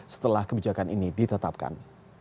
setelah kebijakan ini ditetapkan